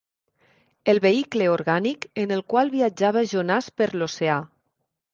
El vehicle orgànic en el qual viatjava Jonàs per l'oceà.